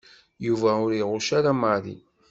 Yuba ur iɣucc ara Mary.